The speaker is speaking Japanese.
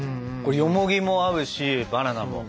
よもぎも合うしバナナも。